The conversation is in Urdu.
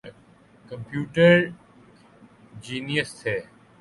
کمپیوٹر جینئس تھے۔